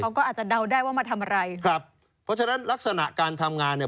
เขาก็อาจจะเดาได้ว่ามาทำอะไรครับเพราะฉะนั้นลักษณะการทำงานเนี่ย